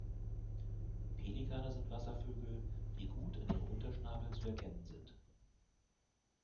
Pelikane sind Wasservögel, die gut an ihrem Unterschnabel zu erkennen sind.